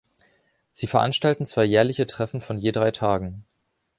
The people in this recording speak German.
Sie veranstalten zwei jährliche Treffen von je drei Tagen.